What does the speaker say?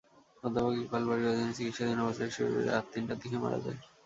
অধ্যাপক ইকবাল বারির অধীনে চিকিৎসাধীন অবস্থায় শিশুটি রাত তিনটার দিকে মারা যায়।